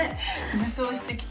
武装してきた。